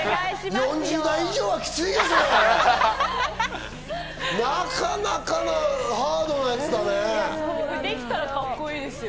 ４０代以上はきついですよ。